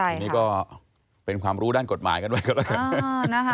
อันนี้ก็เป็นความรู้ด้านกฎหมายกันไว้ก็แล้วกัน